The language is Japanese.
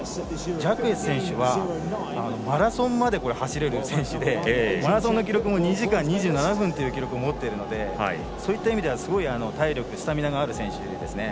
ジャクエス選手はマラソンまで走れる選手でマラソンの記録も２時間２７分という記録を持っているのでそういった意味ではすごくスタミナがある選手ですね。